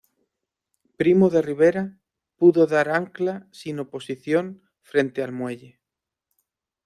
Primo de Rivera pudo dar ancla sin oposición frente al muelle.